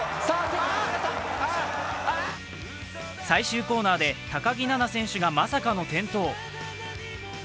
最終コーナーで高木菜那選手が、まさかの転倒。